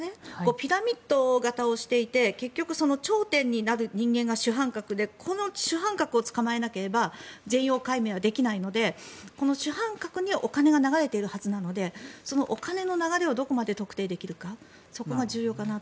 ピラミッド型をしていて結局、頂点になる人間が主犯格でこの主犯格を捕まえなければ全容解明はできないのでこの主犯格にお金が流れているはずなのでそのお金の流れをどこまで特定できるかそこが重要かなと。